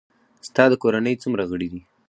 ستا د کورنۍ څومره غړي دي؟